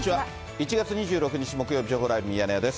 １月２６日木曜日、情報ライブミヤネ屋です。